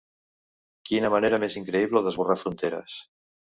Quina manera més increïble d'esborrar fronteres.